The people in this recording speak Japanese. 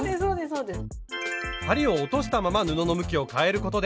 そうです。